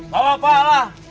bawa pak lah